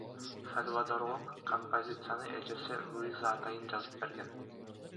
Сальвадорго композицияны эжеси Луиза атайын жазып берген.